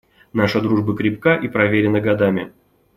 Наша дружба крепка и проверена годами.